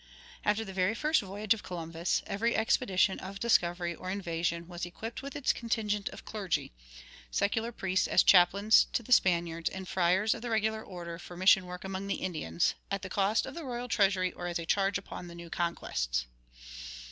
[7:1] After the very first voyage of Columbus every expedition of discovery or invasion was equipped with its contingent of clergy secular priests as chaplains to the Spaniards, and friars of the regular orders for mission work among the Indians at cost of the royal treasury or as a charge upon the new conquests.